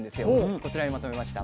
こちらにまとめました。